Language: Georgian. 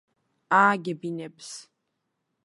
ააგებინებს